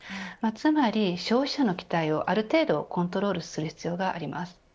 つまり消費者の期待をある程度コントロールする必要があります。